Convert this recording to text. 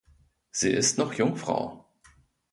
Sie ist noch Jungfrau.